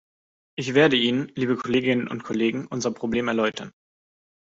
Ich werde Ihnen, liebe Kolleginnen und Kollegen, unser Problem erläutern.